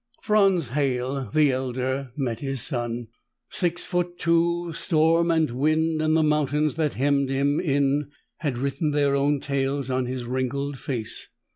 Franz Halle the elder met his son. Six feet two, storm and wind and the mountains that hemmed him in had written their own tales on his wrinkled face.